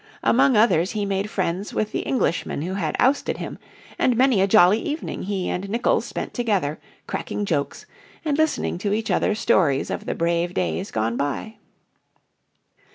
Among others he made friends with the Englishman who had ousted him, and many a jolly evening he and Nicolls spent together cracking jokes and listening to each other's stories of the brave days gone by.